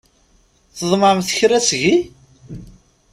Tḍemɛemt kra seg-i?